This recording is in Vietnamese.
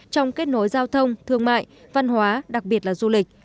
trong kết nối giao thông thương mại văn hóa đặc biệt là du lịch